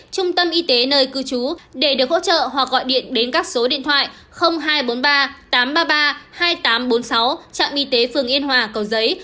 trung tâm y tế nơi cư trú để được hỗ trợ hoặc gọi điện đến các số điện thoại hai trăm bốn mươi ba tám trăm ba mươi ba hai nghìn tám trăm bốn mươi sáu trạm y tế phường yên hòa cầu giấy